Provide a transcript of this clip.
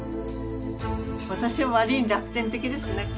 私は割に楽天的ですね。